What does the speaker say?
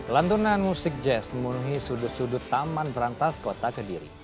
lantunan musik jazz memenuhi sudut sudut taman berantas kota kediri